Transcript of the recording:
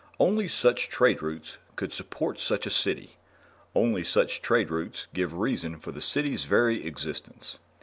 Only such trade routes could support such a city; only such trade routes give reason for the City's very existence.